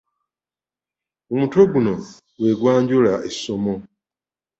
Omutwe guno gwe gwanjula essomo.